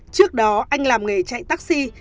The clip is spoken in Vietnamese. trước đó anh làm nghề chạy taxi